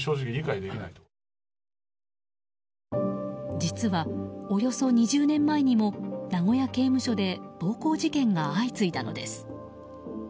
実は、およそ２０年前にも名古屋刑務所で暴行事件が相次いだのです。